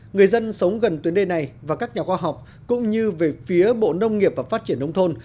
người dân sống gần tuyến đê này và các nhà khoa học cũng như về phía bộ nông nghiệp và phát triển nông thôn